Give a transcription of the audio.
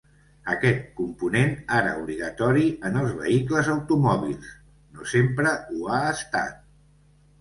Aquest component ara obligatori en els vehicles automòbils, no sempre ho ha estat.